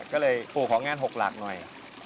ก็เลยปู่ของาน๖หลักหน่อย